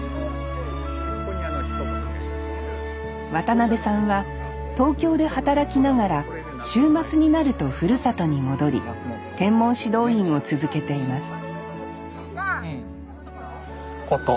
渡辺さんは東京で働きながら週末になるとふるさとに戻り天文指導員を続けていますこと。